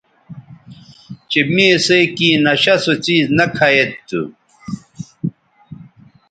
چہء می اِسئ کیں نشہ سو څیز نہ کھہ ید تھو